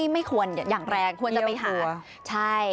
ไม่ควรอย่างแรงควรจะไปหาใช่